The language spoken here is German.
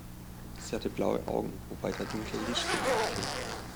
Sie hatte blaue Augen, wobei der dunkle Lidstrich auffiel.